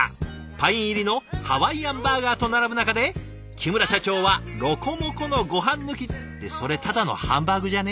パイン入りのハワイアンバーガーと並ぶ中で木村社長はロコモコのごはん抜きってそれただのハンバーグじゃね？